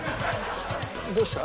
どうした？